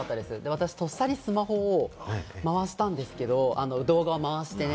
私とっさにスマホをまわしたんですけど、動画まわしました。